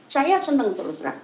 saya senang terus